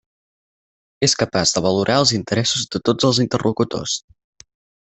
És capaç de valorar els interessos de tots els interlocutors.